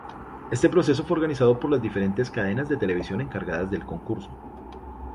Este proceso fue organizado por las diferentes cadenas de televisión encargadas del concurso.